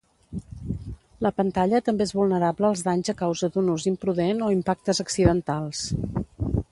La pantalla també és vulnerable als danys a causa d'un ús imprudent o impactes accidentals.